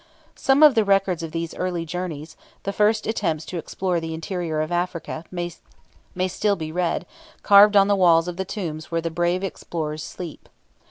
Some of the records of these early journeys, the first attempts to explore the interior of Africa, may still be read, carved on the walls of the tombs where the brave explorers sleep.